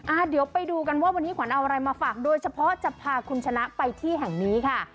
เดี๋ยวไปดูกันว่าวันนี้ขวัญเอาอะไรมาฝากโดยเฉพาะจะพาคุณชนะไปที่แห่งนี้ค่ะ